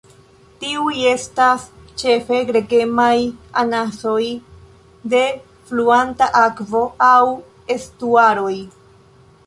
Tiuj estas ĉefe gregemaj anasoj de fluanta akvo aŭ estuaroj.